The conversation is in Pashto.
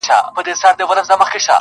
د ژوند يې يو قدم سو، شپه خوره سوه خدايه~